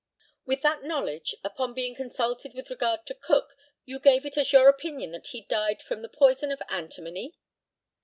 With that knowledge, upon being consulted with regard to Cook, you gave it as your opinion that he died from the poison of antimony?